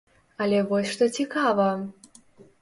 Але вось што цікава!